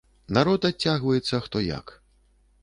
Народ адцягваецца хто як.